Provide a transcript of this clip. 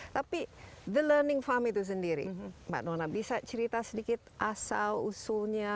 tapi the learning farm itu sendiri mbak nona bisa cerita sedikit asal usulnya